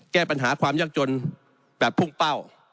แก้ปัญหาความยากจนแบบพุ่งเป้า